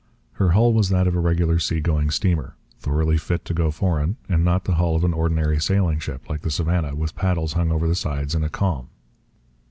Her hull was that of a regular sea going steamer, thoroughly fit to go foreign, and not the hull of an ordinary sailing ship, like the Savannah, with paddles hung over the sides in a calm.